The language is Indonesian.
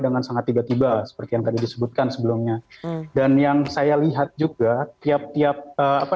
dengan sangat tiba tiba seperti yang tadi disebutkan sebelumnya dan yang saya lihat juga tiap tiap apa